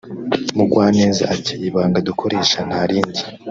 Mugwaneza ati “Ibanga dukoresha nta rindi